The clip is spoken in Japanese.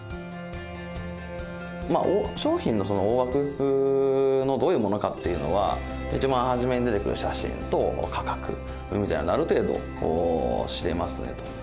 まあ商品の大枠のどういうものかっていうのは一番初めに出てくる写真と価格を見たらある程度知れますねと。